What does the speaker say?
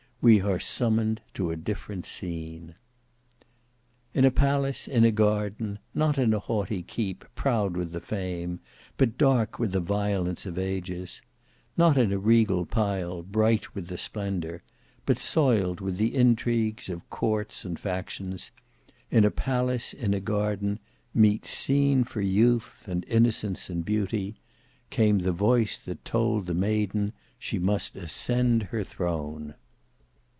We are summoned to a different scene. In a palace in a garden—not in a haughty keep, proud with the fame, but dark with the violence of ages; not in a regal pile, bright with the splendour, but soiled with the intrigues, of courts and factions—in a palace in a garden, meet scene for youth, and innocence, and beauty—came the voice that told the maiden she must ascend her throne!